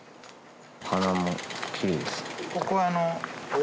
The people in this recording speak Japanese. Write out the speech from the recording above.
花もきれいですね。